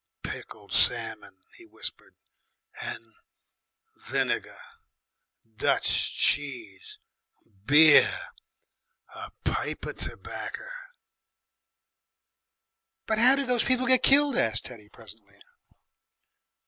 "Pickled Sammin!" he whispered, "an' vinegar.... Dutch cheese, beer! A pipe of terbakker." "But 'OW did the people get killed?" asked Teddy presently.